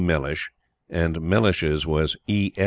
Mellishe and Mellish's was E.